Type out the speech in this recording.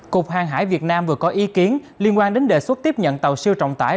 cục hàng hải việt nam vừa có ý kiến liên quan đến đề xuất tiếp nhận tàu siêu trọng tải